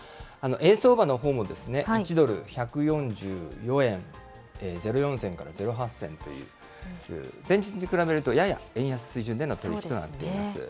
円相場のほうも１ドル１４４円０４銭から０８銭という、前日に比べるとやや円安水準となっています。